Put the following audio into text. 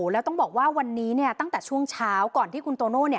แล้วต้องบอกว่าวันนี้ตั้งแต่ช่วงเช้าก่อนที่คุณโตโน่